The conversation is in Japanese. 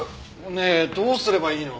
ねえどうすればいいの？